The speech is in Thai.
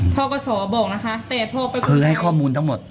กศบอกนะคะแต่พอไปคือให้ข้อมูลทั้งหมด